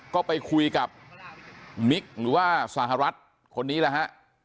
ก็ไปคุยกับมิคหรือว่าสหรัฐคนนี้แหละฮะ